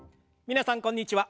皆さんこんにちは。